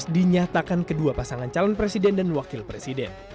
dinyatakan kedua pasangan calon presiden dan wakil presiden